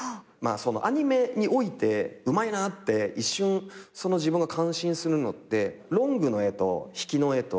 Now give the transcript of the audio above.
アニメにおいてうまいなって一瞬自分が感心するのってロングの絵と引きの絵と。